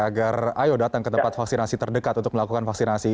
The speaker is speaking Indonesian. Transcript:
agar ayo datang ke tempat vaksinasi terdekat untuk melakukan vaksinasi